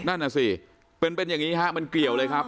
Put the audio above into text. นั่นน่ะสิเป็นอย่างนี้ฮะมันเกี่ยวเลยครับ